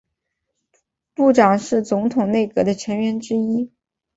部长是总统内阁的成员之一。